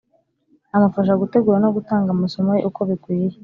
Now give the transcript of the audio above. amufasha gutegura no gutanga amasomo ye uko bikwiye.